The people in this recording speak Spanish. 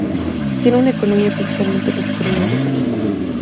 Tiene una economía principalmente pesquera y agrícola.